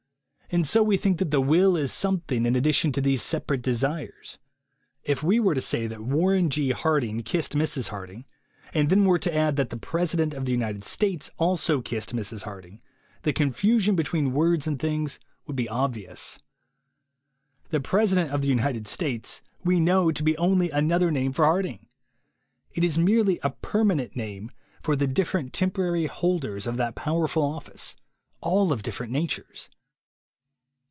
And so we think that the will is something in addition to these separate desires. If we were to say that Warren G. Harding kissed Mrs. Harding, and then were to add that the President of the United States also kissed Mrs. Harding, the confusion between words and things would be obvious. The President of the United States we know to be only another name for Harding. It is merely a permanent name for the different temporary holders of that power ful office, all of different natures.